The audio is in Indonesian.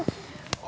oh om belum